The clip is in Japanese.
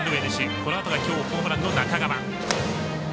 このあとがきょうホームランの中川。